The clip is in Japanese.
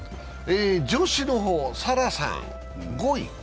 女子の方、沙羅さん５位。